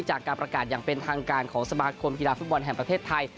จากการประกาศอย่างเป็นทางการของสมาคมกีฬาฟุตบอลแห่งประเทศไทย